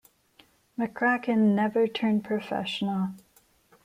McCracken never turned professional.